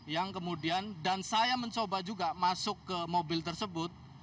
yang kemudian dan saya mencoba juga masuk ke mobil tersebut